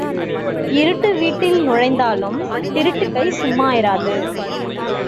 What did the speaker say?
இருட்டு வீட்டில் நுழைந்தாலும் திருட்டுக் கை சும்மா இராது.